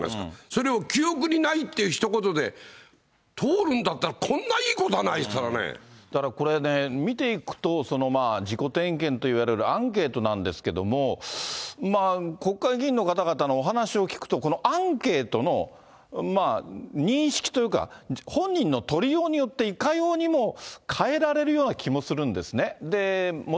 それを記憶にないっていうひと言で通るんだったらこんないいことだからこれね、見ていくと、自己点検といわれるアンケートなんですけども、国会議員の方々のお話を聞くと、このアンケートの認識というか、本人の取りようによって、いかようにも変えられるような気がするんですね。